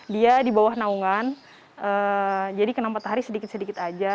dia di bawah naungan jadi kena matahari sedikit sedikit aja